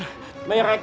mereka menyerang kita